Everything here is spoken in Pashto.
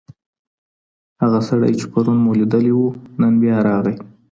هغه سړی چي پرون مو لیدلی و، نن بیا راغی.